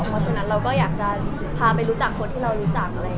เพราะฉะนั้นเราก็อยากจะพาไปรู้จักคนที่เรารู้จัก